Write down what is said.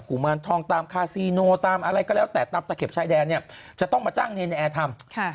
ุมารทองตามคาซีโนตามอะไรก็แล้วแต่ตามตะเข็บชายแดนเนี่ยจะต้องมาจ้างเนรนแอร์ทำ